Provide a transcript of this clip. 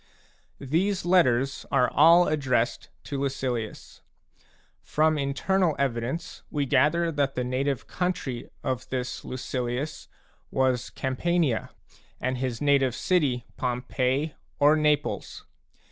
These letters are all addressed to Lucilius. From internal evidence we gather that the native country of this Lucilius was Campania, and his native city Pompeii or Naples.